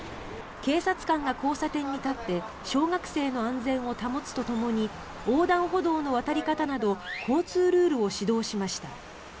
警察官が交差点に立って小学生の安全を保つとともに横断歩道の渡り方など交通ルールを指導しました。